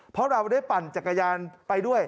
เพราะเราได้ปั่นจักรยานไปด้วย